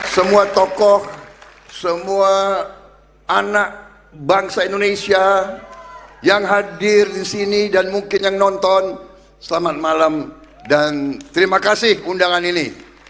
semua tokoh semua anak bangsa indonesia yang hadir di sini dan mungkin yang nonton selamat malam dan terima kasih undangan ini